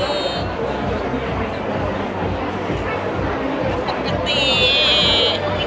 ไม่รู้จะตี